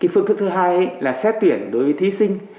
phương thức thứ hai là xét tuyển đối với thí sinh